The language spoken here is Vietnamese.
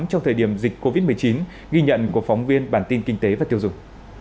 trong thời điểm dịch covid một mươi chín ghi nhận của phóng viên bản tin kinh tế và tiêu dùng